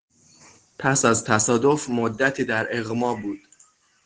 پس از تصادف مدتی در اغما بود.